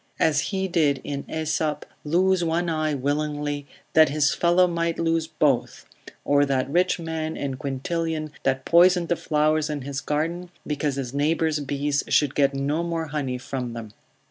As he did in Aesop, lose one eye willingly, that his fellow might lose both, or that rich man in Quintilian that poisoned the flowers in his garden, because his neighbour's bees should get no more honey from them.